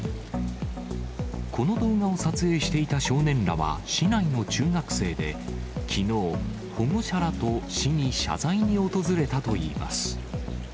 この動画を撮影していた少年らは、市内の中学生で、きのう、保護者らと市に謝罪に訪れたといいます。